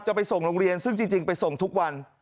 ไปส่งโรงเรียนซึ่งจริงไปส่งทุกวัน